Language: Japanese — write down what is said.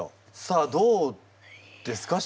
さあどうですか？